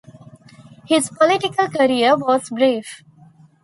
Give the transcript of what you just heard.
His political career was brief.